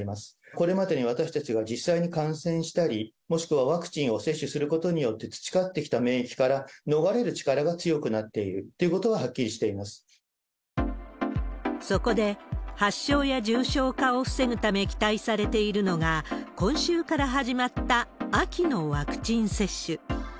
これまでに私たちが実際に感染したり、もしくはワクチンを接種することによって、培ってきた免疫から逃れる力が強くなっているということははっきそこで、発症や重症化を防ぐため期待されているのが、今週から始まった秋のワクチン接種。